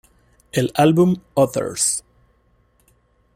El álbum "Others!